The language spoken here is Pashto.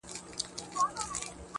شرجلال مي ته، په خپل جمال کي کړې بدل